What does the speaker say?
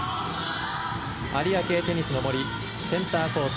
有明テニスの森センターコート。